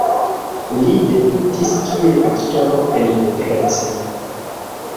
Li debutis kiel aktoro en Debrecen.